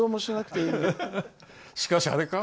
しかし、あれか？